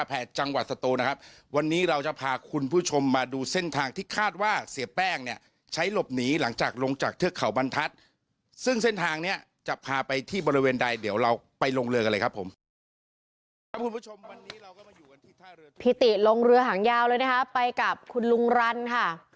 พี่ติลงเรือหางยาวเลยนะคะไปกับคุณลุงรันค่ะ